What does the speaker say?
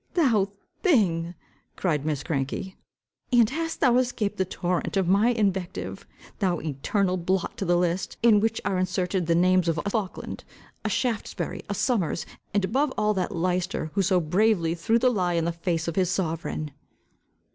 "Thou thing," cried Miss Cranky, "and hast thou escaped the torrent of my invective! Thou eternal blot to the list, in which are inserted the names of a Faulkland, a Shaftesbury, a Somers, and above all, that Leicester, who so bravely threw the lie in the face of his sovereign!"